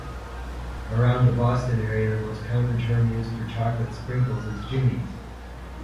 Around the Boston area the most common term used for chocolate sprinkles is jimmies.